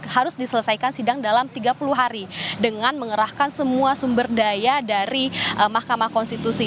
harus diselesaikan sidang dalam tiga puluh hari dengan mengerahkan semua sumber daya dari mahkamah konstitusi